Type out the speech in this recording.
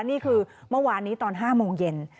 นี่คือเมื่อวานนี้ตอน๕โมงเย็น